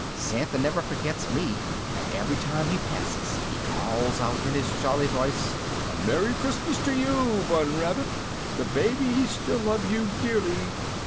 "Santa never forgets me, and every time he passes he calls out, in his jolly voice, "'A merry Christmas to you, Bun Rabbit! The babies still love you dearly.'"